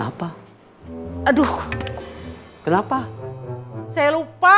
apa aduh kenapa saya lupa